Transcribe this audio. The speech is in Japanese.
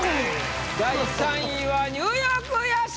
第３位はニューヨーク屋敷！